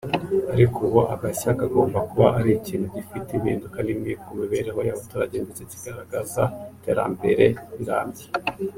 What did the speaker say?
ariko ubu agashya kagomba kuba ari ikintu gifite impinduka nini ku mibereho y’abaturage ndetse kigaragaza iterambere rirambye